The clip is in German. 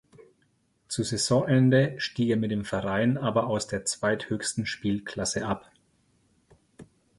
Zu Saisonende stieg er mit dem Verein aber aus der zweithöchsten Spielklasse ab.